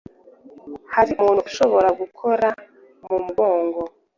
Hari umuntu ushobora gukora mu mugongo